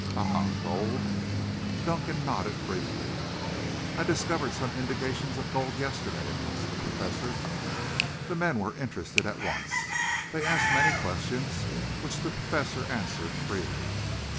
"Ah! Gold?" Dunkan nodded briefly. "I discovered some indications of gold yesterday," announced the Professor. The men were interested at once. They asked many questions which the Professor answered freely.